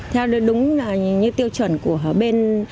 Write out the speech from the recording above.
theo đúng như tiêu chuẩn của bên